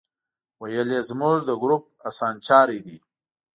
ویل یې زموږ د ګروپ اسانچاری دی.